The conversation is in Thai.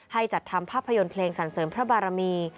จัดทำภาพยนตร์เพลงสรรเสริมพระบารมี